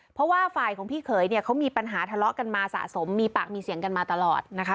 เพราะว่าฝ่ายของพี่เขยเนี่ยเขามีปัญหาทะเลาะกันมาสะสมมีปากมีเสียงกันมาตลอดนะคะ